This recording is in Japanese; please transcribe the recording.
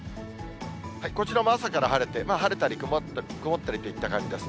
こちらも朝から晴れて、晴れたり曇ったりといった感じです。